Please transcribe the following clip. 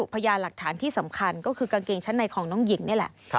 พยานหลักฐานที่สำคัญก็คือกางเกงชั้นในของน้องหญิงนี่แหละ